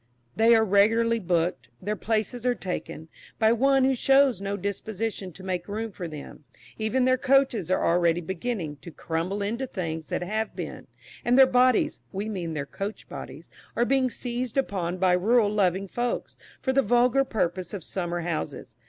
They are "regularly booked." Their "places are taken" by one who shows no disposition to make room for them; even their coaches are already beginning to crumble into things that have been; and their bodies (we mean their coach bodies) are being seized upon by rural loving folks, for the vulgar purpose of summer houses.